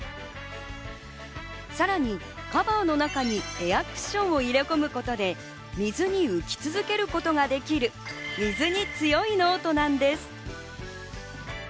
さらにカバーの中にエアクッションを入れ込むことで水に浮き続けることができる、水に強いノートなんです。